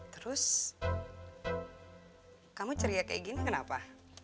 terus kamu ceria kayak gini kenapa